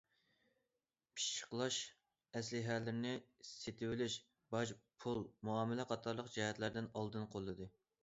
پىششىقلاش ئەسلىھەلىرىنى سېتىۋېلىش، باج، پۇل مۇئامىلە قاتارلىق جەھەتلەردىن ئالدىن قوللىدى.